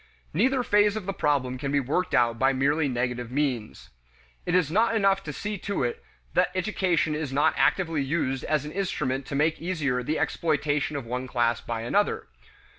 Neither phase of the problem can be worked out by merely negative means. It is not enough to see to it that education is not actively used as an instrument to make easier the exploitation of one class by another.